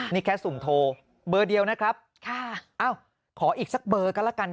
นี่แค่สุ่มโทรเบอร์เดียวนะครับค่ะอ้าวขออีกสักเบอร์ก็แล้วกัน